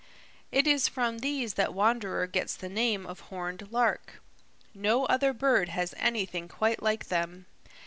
It is from these that Wanderer gets the name of Horned Lark. No other bird has anything quite like them.